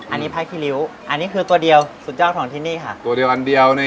อันนี้ไพ่ขี้ริ้วอันนี้คือตัวเดียวสุดยอดของที่นี่ค่ะตัวเดียวอันเดียวนี่